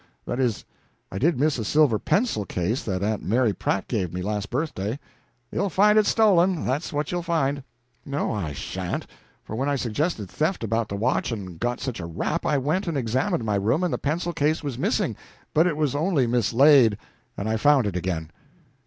That is, I did miss a silver pencil case that Aunt Mary Pratt gave me last birthday " "You'll find it stolen that's what you'll find." "No, I sha'n't; for when I suggested theft about the watch and got such a rap, I went and examined my room, and the pencil case was missing, but it was only mislaid, and I found it again."